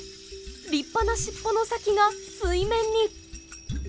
立派なしっぽの先が水面に。